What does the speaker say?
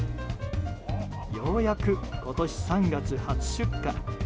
ようやく今年３月、初出荷。